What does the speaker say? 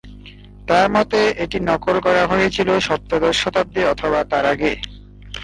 তাঁর মতে, এটি নকল করা হয়েছিল সপ্তদশ শতাব্দীতে অথবা তারও আগে।